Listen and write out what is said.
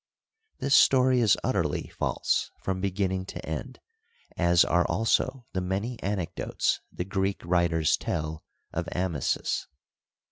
This story is utterly false from beginning to end, as are also the many anecdotes the Greek writers tell of Amasis.